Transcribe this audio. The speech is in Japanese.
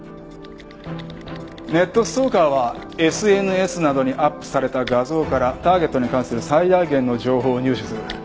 ネットストーカーはＳＮＳなどにアップされた画像からターゲットに関する最大限の情報を入手する。